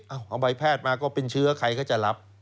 เอาใบแพทย์มาก็เป็นเชื้อใครก็จะรับ